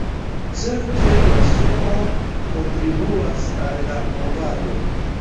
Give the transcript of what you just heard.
Certe la Sumoo kontribuas al la movado.